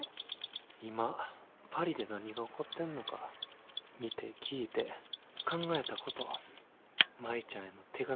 今パリで何が起こってんのか見て聞いて考えたこと舞ちゃんへの手紙のつもりで書いてる。